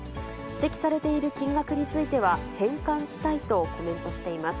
指摘されている金額については、返還したいとコメントしています。